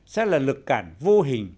sẽ là lực cản vô hình